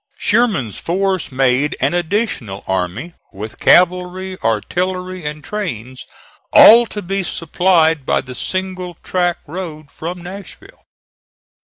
Sherman's force made an additional army, with cavalry, artillery, and trains, all to be supplied by the single track road from Nashville.